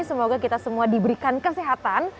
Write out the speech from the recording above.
semoga kita semua diberikan kesehatan